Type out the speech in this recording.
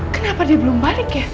kenapa dia belum balik ya